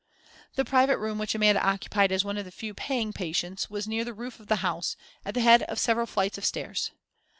The private room which Amanda occupied as one of the few "paying patients," was near the roof of the house, at the head of several flights of stairs.